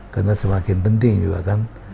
karena semakin penting juga kan